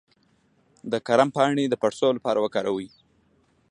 د کرم پاڼې د پړسوب لپاره وکاروئ